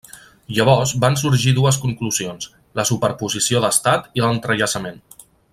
Llavors van sorgir dues conclusions: la superposició d’estat i l'entrellaçament.